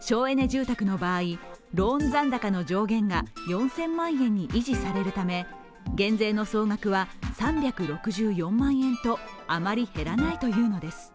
省エネ住宅の場合ローン残高の上限が４０００万円に維持されるため減税の総額は３６４万円とあまり減らないというのです。